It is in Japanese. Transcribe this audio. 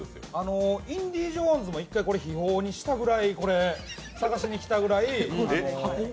インディー・ジョーンズも一回、これ秘宝にしたくらいこれ、探しに来たぐらい。